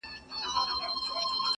يو له بله يې وهلي وه جگړه وه -